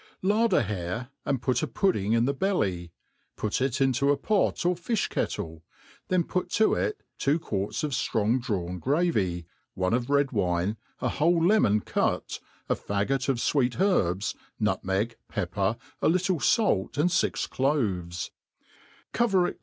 LARD a hare« and put a pudding ip the belly ; put it intc) a pot or filh lcettle, then put to it two quarts of. ffrongrdrawn gravy, one of red wine, a whole lemon cut, afaggot of fwcct herbs, nutm'eg, pepper, a little fait, and fix cloves; cbVerij